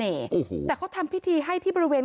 โอ้โหแต่เขาทำพิธีให้ที่บริเวณ